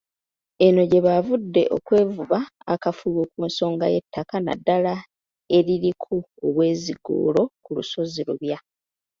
Eno gye baavudde okwevumba akafubo ku nsonga y'ettaka naddala eririko obwezigoolo ku lusozi Lubya.